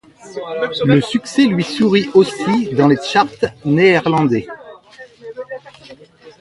Le succès lui sourit aussi dans les charts néerlandais.